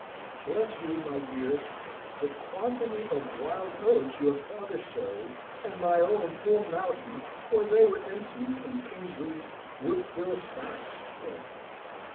Bless you, my dears, the quantity of wild oats your father sowed and my own poor Mountain when they were ensigns in Kingsley's, would fill sacks full!